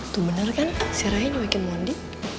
tuh bener kan si ray ini wakin mondi